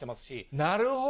なるほど。